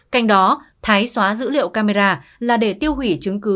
cạnh đó thái xóa dữ liệu camera là để tiêu hủy chứng cứ